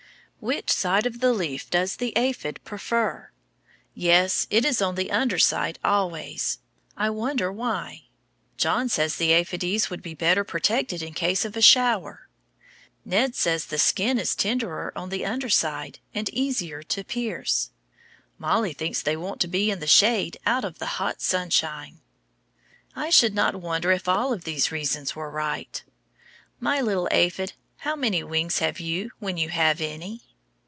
Which side of the leaf does the aphid prefer? Yes, it is on the under side always. I wonder why. John says the aphides would be better protected in case of a shower. Ned says the skin is tenderer on the under side and easier to pierce. Mollie thinks they want to be in the shade out of the hot sunshine. I should not wonder if all of these reasons were right. My little aphid, how many wings have you when you have any?